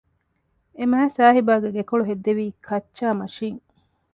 އެމާތްސާހިބާގެ ގެކޮޅު ހެއްދެވީ ކައްޗާ މަށީން